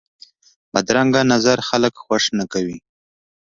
بدرنګه نظر خلک خوښ نه کوي